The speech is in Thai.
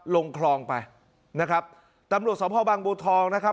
ลงคลองไปนะครับตำรวจสภบางบัวทองนะครับ